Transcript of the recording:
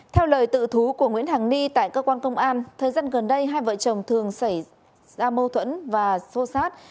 theo lời tự thú của nguyễn hàng ni tại cơ quan công an thời gian gần đây hai vợ chồng thường xảy ra mâu thuẫn và xô xát